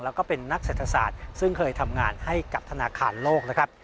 แล้วก็เป็นนักเศรษฐศาสตร์ซึ่งเคยทำงานให้กับธนาคารโลกนะครับ